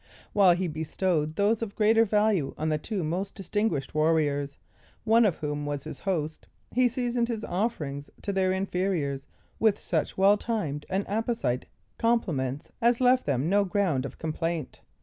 While he bestowed those of greater value on the two most distinguished warriors, one of whom was his host, he seasoned his offerings to their inferiors with such well timed and apposite compliments, as left them no ground of complaint.